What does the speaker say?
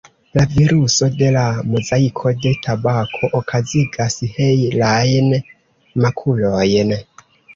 La viruso de la mozaiko de tabako okazigas helajn makulojn.